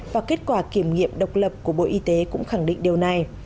và kết quả kiểm nghiệm độc lập của bộ y tế cũng khẳng định điều này